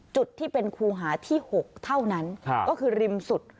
จุดที่เป็นคูหาที่๖เท่านั้นก็คือริมสุด